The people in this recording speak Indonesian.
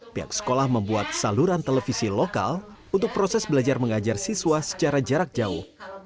pihak sekolah membuat saluran televisi lokal untuk proses belajar mengajar siswa secara jarak jauh